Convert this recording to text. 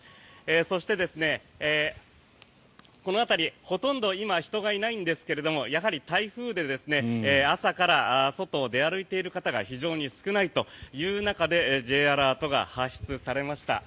そして、この辺りほとんど今、人がいないんですがやはり台風で朝から外を出歩いている方が非常に少ないという中でＪアラートが発出されました。